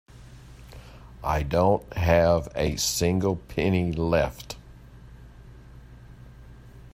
I don't have a single penny left.